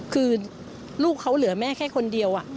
คือลูกเขาเหลือแม่แค่คนเดียว